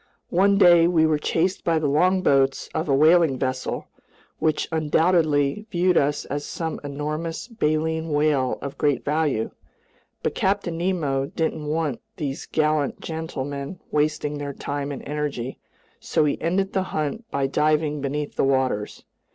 One day we were chased by the longboats of a whaling vessel, which undoubtedly viewed us as some enormous baleen whale of great value. But Captain Nemo didn't want these gallant gentlemen wasting their time and energy, so he ended the hunt by diving beneath the waters.